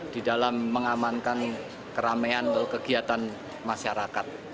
di dalam mengamankan keramaian atau kegiatan masyarakat